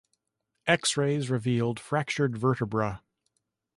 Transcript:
X-rays revealed fractured vertebra.